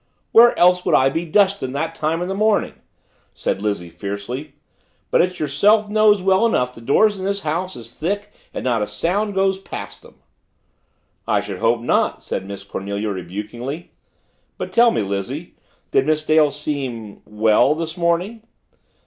"Where else would I be dustin' that time in the mornin'?" said Lizzie fiercely. "But it's yourself knows well enough the doors in this house is thick and not a sound goes past them." "I should hope not," said Miss Cornelia rebukingly. "But tell me, Lizzie, did Miss Dale seem well this morning?"